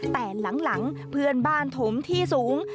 แต่หลังเพื่อนบ้านถมที่สูง